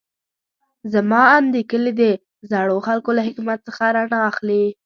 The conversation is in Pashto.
زما اند د کلي د زړو خلکو له حکمت څخه رڼا اخلي.